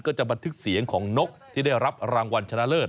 จะบันทึกเสียงของนกที่ได้รับรางวัลชนะเลิศ